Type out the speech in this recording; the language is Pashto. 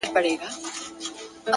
علم د فکر وسعت زیاتوي,